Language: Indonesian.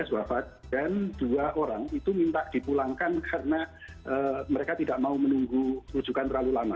dua belas wafat dan dua orang itu minta dipulangkan karena mereka tidak mau menunggu rujukan terlalu lama